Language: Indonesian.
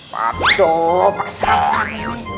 patuh pak santun